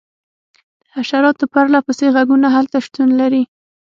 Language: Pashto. د حشراتو پرله پسې غږونه هلته شتون لري